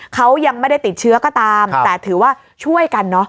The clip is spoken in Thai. เขายังไม่ได้ติดเชื้อก็ตามแต่ถือว่าช่วยกันเนอะ